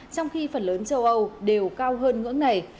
trong khi phần lớn châu âu đều cao hơn ngưỡng này